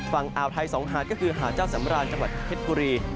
ฝั่งอ่าวไทย๒หาดก็คือหาดเจ้าสำราญจังหวัดเพชรบุรี